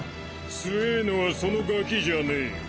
強ぇのはそのガキじゃねえ。